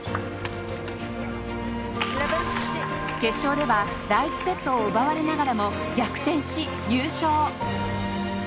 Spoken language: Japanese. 決勝では第１セットを奪われながらも逆転し優勝。